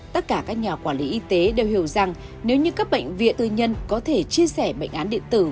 tất cả các nhà quản lý y tế đều hiểu rằng nếu như các bệnh viện tư nhân có thể chia sẻ bệnh án điện tử